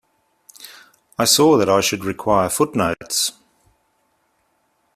I saw that I should require footnotes.